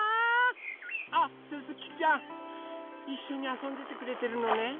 あっすすきちゃんいっしょにあそんでてくれてるのね。